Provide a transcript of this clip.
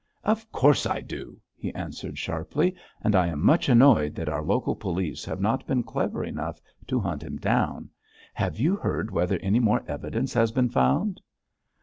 'Of course I do,' he answered sharply, 'and I am much annoyed that our local police have not been clever enough to hunt him down. Have you heard whether any more evidence has been found?'